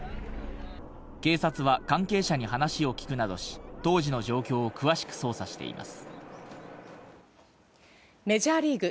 警察は関係者に話を聞くなどし、当時の状況を詳しく捜査しています。